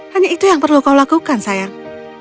hanya itu yang perlu kau lakukan sayang